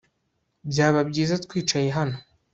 Byaba byiza twicaye hano